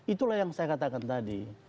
itulah yang saya katakan tadi